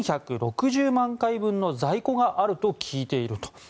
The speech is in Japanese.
４６０万回分の在庫があると聞いていると。